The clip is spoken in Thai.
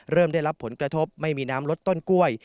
ได้รับผลกระทบไม่มีน้ำลดต้นกล้วย